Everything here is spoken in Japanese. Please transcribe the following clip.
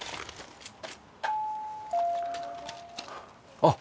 あっ。